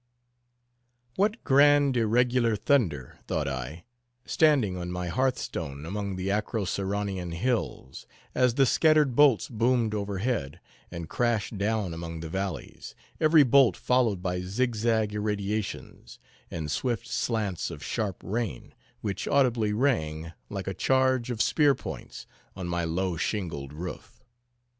What grand irregular thunder, thought I, standing on my hearth stone among the Acroceraunian hills, as the scattered bolts boomed overhead, and crashed down among the valleys, every bolt followed by zigzag irradiations, and swift slants of sharp rain, which audibly rang, like a charge of spear points, on my low shingled roof.